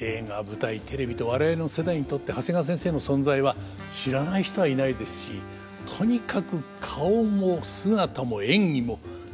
映画舞台テレビと我々の世代にとって長谷川先生の存在は知らない人はいないですしとにかく顔も姿も演技もどれも超一流でございました。